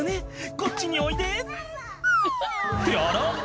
「こっちにおいで」ってあら？